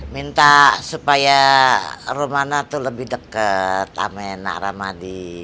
minta supaya rumana tuh lebih deket sama naramadi